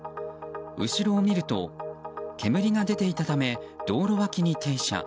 後ろを見ると煙が出ていたため道路脇に停車。